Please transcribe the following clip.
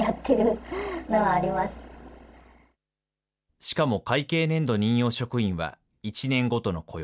しかも会計年度任用職員は、１年ごとの雇用。